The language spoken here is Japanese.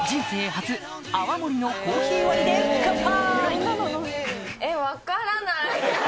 初泡盛のコーヒー割りで乾杯！